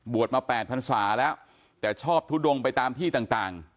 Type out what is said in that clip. มา๘พันศาแล้วแต่ชอบทุดงไปตามที่ต่าง